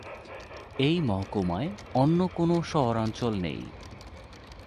এই মহকুমায় অন্য কোনো শহরাঞ্চল নেই।